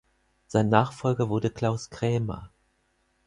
Sein Nachfolger wurde Klaus Krämer.